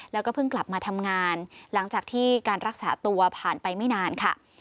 แล้วก็เพิ่งกลับมาทำงานหลังจากที่การรักษาตัวผ่านไปไม่นานค่ะ